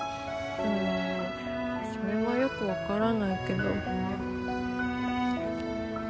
うんそれはよく分からないけど。